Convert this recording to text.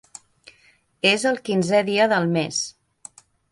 És el quinzè dia del mes.